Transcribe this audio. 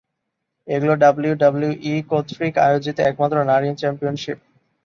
এটি ডাব্লিউডাব্লিউই কর্তৃক আয়োজিত একমাত্র নারী চ্যাম্পিয়নশীপ।